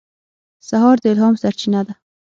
سهار د الهام سرچینه ده.